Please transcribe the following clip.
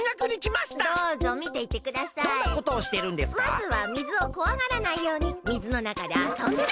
まずはみずをこわがらないようにみずのなかであそんでます。